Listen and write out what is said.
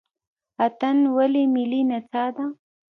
اتن ولې ملي نڅا ده؟